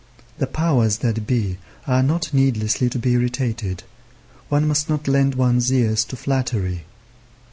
The powers that be are not needlessly to be irritated. One must not lend one's ears to flattery.